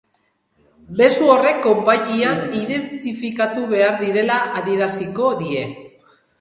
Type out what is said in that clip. Mezu horrek konpainian identifikatu behar direla adieraziko die.